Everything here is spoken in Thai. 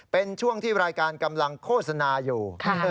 เป็นช่วงที่รายการกำลังโฆษณาอยู่